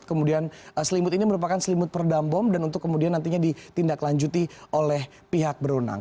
kemudian selimut ini merupakan selimut peredam bom dan untuk kemudian nantinya ditindaklanjuti oleh pihak berunang